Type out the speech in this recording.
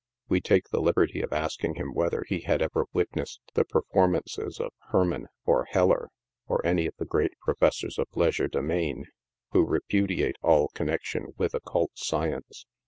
We take the liberty of asking him whether he had ever witnessed the performances of Herman or Heller, or any of the great professors of legerdemain, who repudiate all connection with occult science.